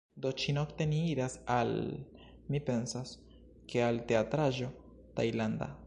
Do, ĉi-nokte ni iras al... mi pensas, ke al teatraĵo tajlanda